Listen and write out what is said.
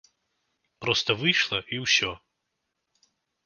Проста выйшла і ўсё.